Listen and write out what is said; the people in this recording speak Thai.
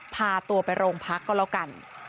พาตัวไปโรงพักก็แล้วกัน